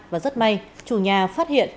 và rất may chủ nhà phát hiện